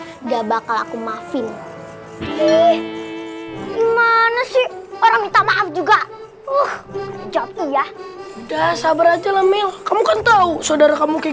udah bakal ngambek ya udah sih kan udah minta maaf pasti aja ngambek maaf udah bakal ngambek maaf